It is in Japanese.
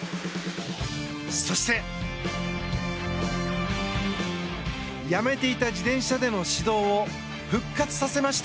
そして、やめていた自転車での指導を復活させました。